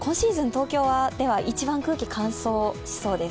東京では一番空気が乾燥しそうです。